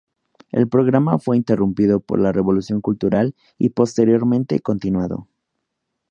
El programa fue interrumpido por la Revolución Cultural y posteriormente continuado.